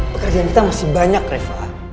pekerjaan kita masih banyak reva